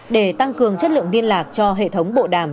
để tăng cường chất lượng liên lạc cho hệ thống bộ đàm